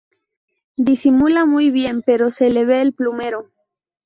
Disimula muy bien pero se le ve el plumero